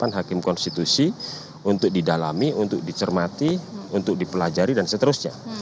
untuk diperkonsitusi untuk didalami untuk dicermati untuk dipelajari dan seterusnya